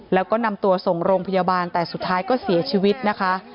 แล้วก็นำตัวส่งโรงพยาบาลแต่สุดท้ายก็เสียชีวิตนะคะ